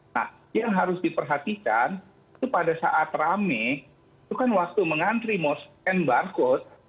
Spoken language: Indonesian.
nah yang harus diperhatikan itu pada saat rame itu kan waktu mengantri mau scan barcode